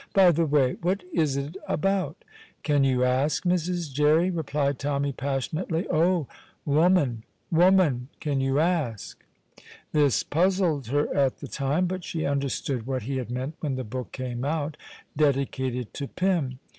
"By the way, what is it about?" "Can you ask, Mrs. Jerry?" replied Tommy, passionately. "Oh, woman, woman, can you ask?" This puzzled her at the time, but she understood what he had meant when the book came out, dedicated to Pym.